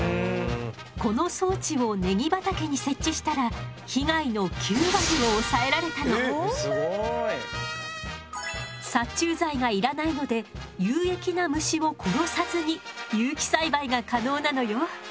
この装置をネギ畑に設置したら殺虫剤がいらないので有益な虫を殺さずに有機栽培が可能なのよ。